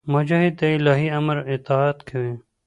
مجاهد د الهي امر اطاعت کوي.